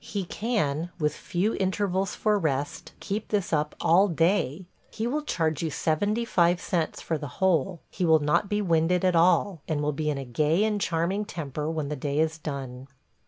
He can, with few intervals for rest, keep this up all day; he will charge you seventy five cents for the whole; he will not be winded at all, and will be in a gay and charming temper when the day is done.